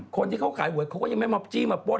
คนที่เขาขายหวยเขาก็ยังไม่มอบจี้มาป้น